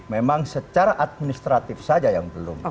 memang secara administratif saja yang belum